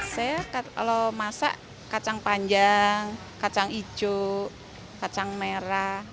saya kalau masak kacang panjang kacang hijau kacang merah